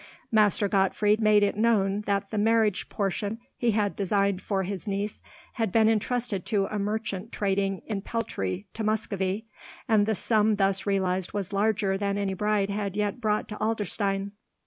Master Gottfried made it known that the marriage portion he had designed for his niece had been intrusted to a merchant trading in peltry to Muscovy, and the sum thus realized was larger than any bride had yet brought to Adlerstein.